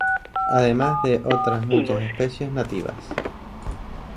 Además de otras muchas especies nativas.